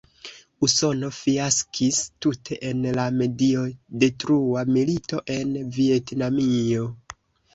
Usono fiaskis tute en la mediodetrua milito en Vjetnamio.